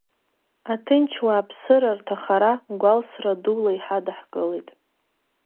Аҭынч уааԥсыра рҭахара гәалсра дула иҳадаҳкылеит.